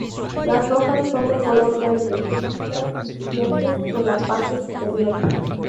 Las hojas son de color verde, lisas y brillantes de la parte superior.